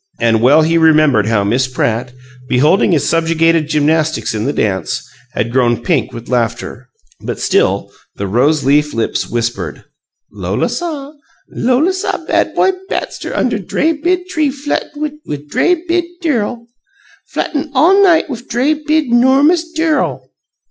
And well he remembered how Miss Pratt, beholding his subjugated gymnastics in the dance, had grown pink with laughter! But still the rose leaf lips whispered: "Lola saw! Lola saw bad boy Batster under dray bid tree fluttin' wif dray bid dirl. Fluttin' all night wif dray bid 'normous dirl!"